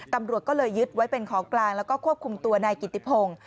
ตำรวจก็เลยยึดไว้เป็นของกลางแล้วก็ควบคุมตัวนายกิติพงศ์